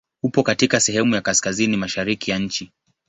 Upo katika sehemu ya kaskazini mashariki ya nchi.